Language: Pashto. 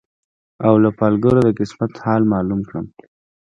او له پالګرو د قسمت حال معلوم کړم